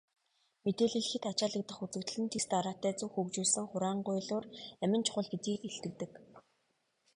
Мэдээлэл хэт ачаалагдах үзэгдэл нь дэс дараатай, зөв хөгжүүлсэн хураангуйлуур амин чухал гэдгийг илтгэдэг.